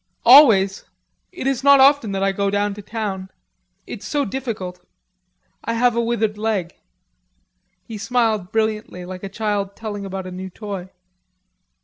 "Always. It is not often that I go down to town.... It's so difficult.... I have a withered leg." He smiled brilliantly like a child telling about a new toy.